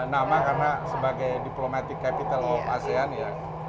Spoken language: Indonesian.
nama karena sebagai diplomatic capital all asean ya